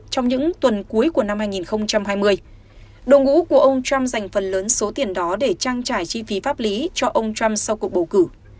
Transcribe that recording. trong những tuần cuối của năm hai nghìn hai mươi đội ngũ của ông trump dành phần lớn số tiền đó để trang trải chi phí pháp lý cho ông trump sau cuộc bầu cử